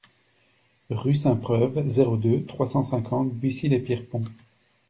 Rue Sainte-Preuve, zéro deux, trois cent cinquante Bucy-lès-Pierrepont